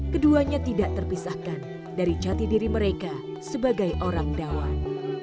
keduanya tidak terpisahkan dari jati diri mereka sebagai orang dawan